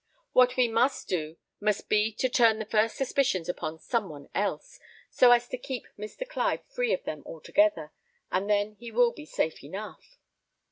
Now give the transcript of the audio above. What we must do must be to turn the first suspicions upon some one else, so as to keep Mr. Clive free of them altogether, and then he will be safe enough."